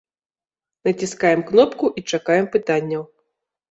Націскаем кнопку і чакаем пытанняў.